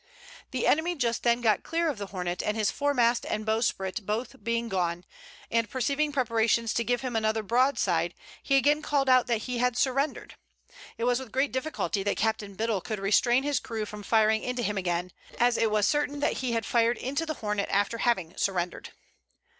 The enemy just then got clear of the Hornet; and his foremast and bowsprit being both gone, and perceiving preparations to give him another broadside, he again called out that he had surrendered. It was with great difficulty that Captain Biddle could restrain his crew from firing into him again, as it was certain that he had fired into the Hornet after having surrendered.